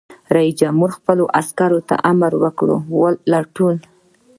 رئیس جمهور خپلو عسکرو ته امر وکړ؛ لټون!